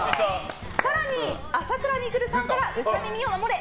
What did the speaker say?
更に、朝倉未来さんからウサ耳を守れ！